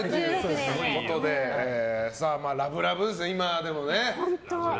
ラブラブですね、今でもね。